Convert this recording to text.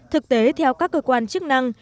thực tế theo các cơ quan chức năng